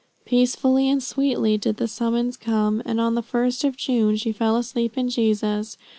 Peacefully and sweetly did the summons come, and on the first of June she fell asleep in Jesus.